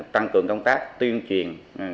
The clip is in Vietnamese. tăng cường công tác tuyên truyền